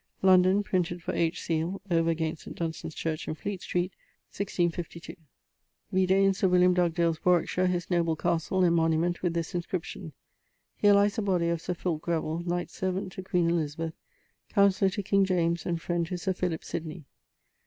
London, printed for H. Seile, over against St. Dunstan's church, in Fleet street, M.DC.LII.' Vide in Sir William Dugdale's Warwickshire his noble castle, and monument with this inscription: 'Here lies the body of Sir Fulke Grevile knight servant to Q. Eliz., counsellor to King James, and friend to Sir Philip Sidney.'